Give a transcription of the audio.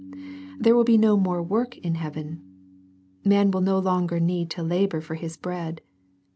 There will be no more work in heaven. Man will no longer need to labour for his bread.